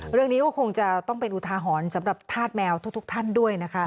เรื่องนี้ก็คงจะต้องเป็นอุทาหรณ์สำหรับธาตุแมวทุกท่านด้วยนะคะ